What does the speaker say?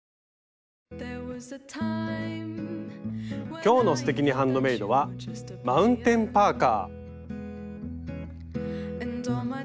今日の「すてきにハンドメイド」は「マウンテンパーカー」。